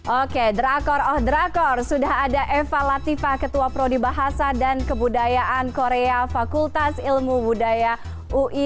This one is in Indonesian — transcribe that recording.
oke drakor oh drakor sudah ada eva latifah ketua prodi bahasa dan kebudayaan korea fakultas ilmu budaya ui